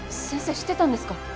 知ってたんですか？